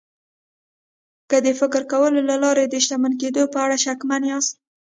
که د فکر کولو له لارې د شتمن کېدو په اړه شکمن ياست.